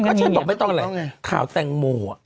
ก็ฉันบอกไม่ต้องอะไรข่าวแตงโม